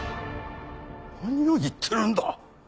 何を言ってるんだ！